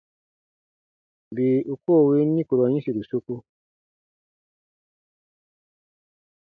Bii u koo win nikurɔn yĩsiru soku.